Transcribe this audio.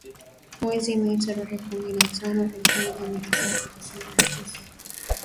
Mwezi Mei, tarehe kumi na tano ,elfu moja mia tisa tisini na sita